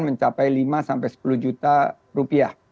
mencapai lima sampai sepuluh juta rupiah